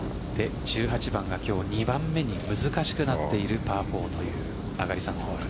１８番が今日２番目に難しくなっているパー４という上がり３ホール。